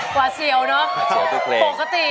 กว่าเชียวเนอะ